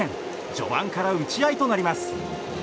序盤から打ち合いとなります。